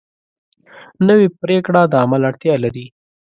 نوې پریکړه د عمل اړتیا لري